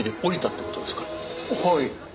はい。